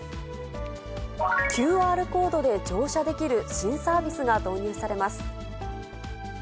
ＱＲコードで乗車できる新サービスが導入されます。